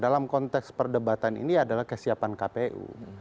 dalam konteks perdebatan ini adalah kesiapan kpu